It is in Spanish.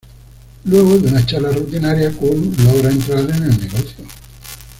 Luego de una charla rutinaria Kurt logra entrar en el negocio.